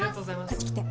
こっち来て。